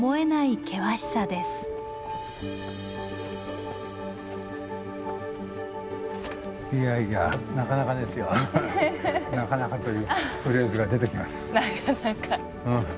なかなか。